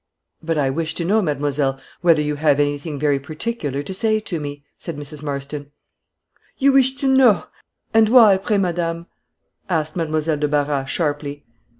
"But I wish to know, mademoiselle, whether you have anything very particular to say to me?" said Mrs. Marston. "You wish to know! and why, pray madame?" asked Mademoiselle de Barras, sharply.